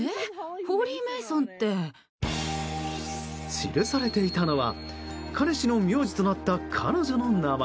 記されていたのは彼氏の名字となった彼女の名前。